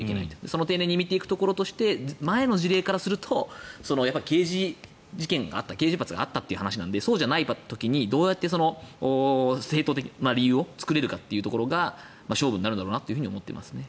その丁寧に見ていくところとして前の事例からすると刑事事件があった刑事罰があったという話なのでそうじゃない時にどうやって正当な理由を作れるかというところが勝負になるだろうなと思っていますね。